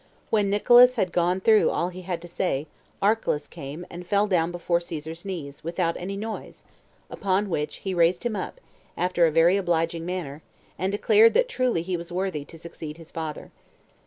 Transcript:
7. When Nicolaus had gone through all he had to say, Archelaus came, and fell down before Caesar's knees, without any noise; upon which he raised him up, after a very obliging manner, and declared that truly he was worthy to succeed his father.